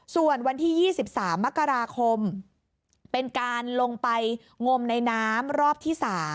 ส่วนวันที่๒๓มกราคมเป็นการลงไปงมในน้ำรอบที่๓